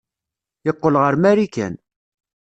Yeqqel ɣer Marikan.